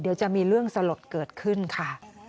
เดี๋ยวจะมีเรื่องสลดเกิดขึ้นค่ะ